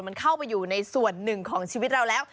มันเข้าไปอยู่ในส่วนหนึ่งของชีวิตเราแล้ว